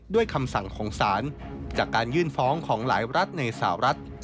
คำสั่งของศาลจากการยื่นฟ้องของหลายรัฐในสหรัฐ